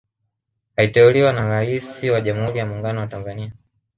Aliteuliwa na Rais wa Jamhuri ya muungano wa Tanzania